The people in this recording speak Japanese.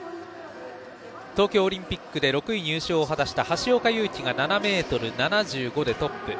東京オリンピックで６位入賞を果たした橋岡優輝が７ｍ７５でトップ。